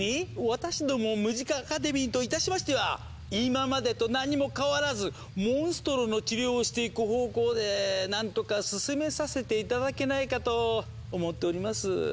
私どもムジカ・アカデミーといたしましては今までと何も変わらずモンストロの治療をしていく方向でなんとか進めさせて頂けないかと思っております。